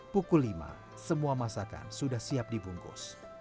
pukul lima semua masakan sudah siap dibungkus